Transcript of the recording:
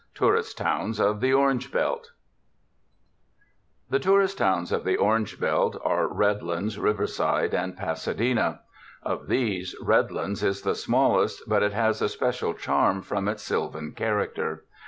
Tourist Towns of the Orange Belt The tourist towns of the orange belt are Red lands, Riverside and Pasadena. Of these, Red lands is the smallest, but it has a special charm from its sylvan character.